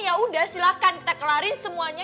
yaudah silahkan kita kelarin semuanya